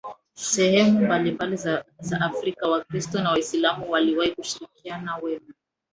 sehemu mbalimbali za Afrika Wakristo na Waislamu waliwahi kushirikiana vema